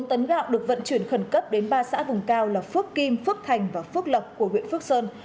một tấn gạo được vận chuyển khẩn cấp đến ba xã vùng cao là phước kim phước thành và phước lộc của huyện phước sơn